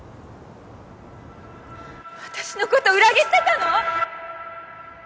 私のこと裏切ってたの！？